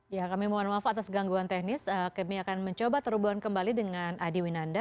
ya kami mohon maaf atas gangguan teknis kami akan mencoba terhubung kembali dengan adi winanda